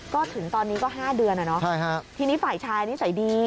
ก็ถึงตอนนี้ก็๕เดือนแล้วเนอะที่นี่ฝ่ายชายนิสัยดี